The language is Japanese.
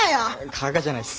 加賀じゃないっす。